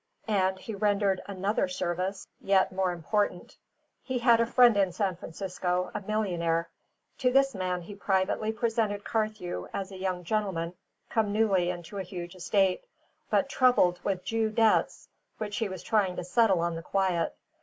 And he rendered another service yet more important. He had a friend in San Francisco, a millionaire; to this man he privately presented Carthew as a young gentleman come newly into a huge estate, but troubled with Jew debts which he was trying to settle on the quiet.